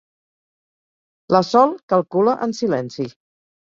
La Sol calcula en silenci.